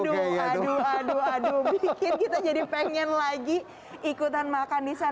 aduh aduh aduh bikin kita jadi pengen lagi ikutan makan di sana